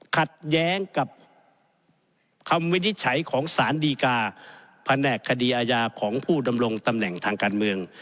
ขัดแย้งกับคำวินิจฉัยของสารดีกาแผนกคดีอาญาของผู้ดำรงตำแหน่งทางการเมือง